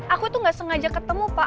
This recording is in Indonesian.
aku tuh gak sengaja ketemu pak